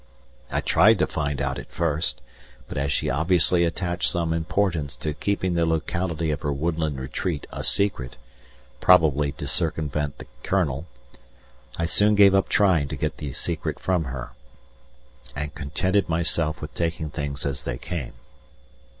I tried to find out at first, but as she obviously attached some importance to keeping the locality of her woodland retreat a secret, probably to circumvent the Colonel, I soon gave up trying to get the secret from her, and contented myself with taking things as they came.